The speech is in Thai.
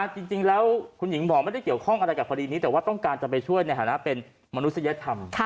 จริงแล้วคุณหญิงหมอไม่ได้เกี่ยวข้องอะไรกับคดีนี้แต่ว่าต้องการจะไปช่วยในฐานะเป็นมนุษยธรรม